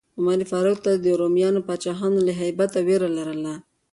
عمر فاروق ته د رومیانو پاچاهانو له هیبته ویره لرله.